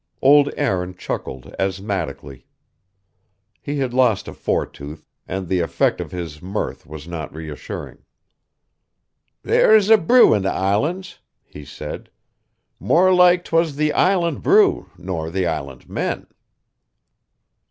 Old Aaron chuckled asthmatically. He had lost a fore tooth, and the effect of his mirth was not reassuring. "There's a brew i' the Islands," he said. "More like 'twas the island brew nor the island men."